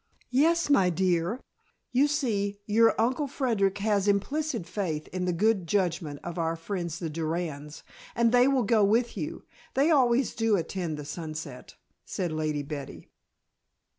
"Yes, my dear. You see, your Uncle Frederic has implicit faith in the good judgment of our friends the Durands, and they will go with you they always do attend the Sunset," said Lady Betty.